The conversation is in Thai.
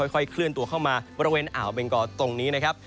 ค่อยเคลื่อนตัวเข้ามาบริเวณอ่าวเบงกอตรงนี้นะครับ